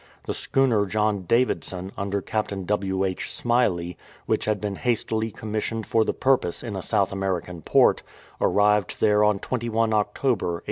The schooner John Davidson, under Captain W. H. Smyley, which had been hastily commissioned for the purpose in a South American port, arrived there on 21 October, 1851.